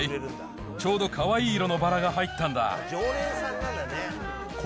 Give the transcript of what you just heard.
ちょうどかわいい色の花束が入ったんだ。